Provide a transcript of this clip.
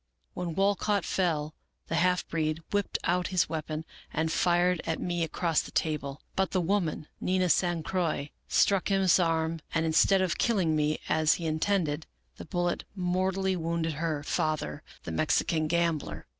When Walcott fell, the half breed whipped out his weapon, and fired at me across the table ; but the woman, Nina San Croix, struck his arm, and, instead of killing me, as he intended, the bullet mortally wounded her father, the Mexican gambler.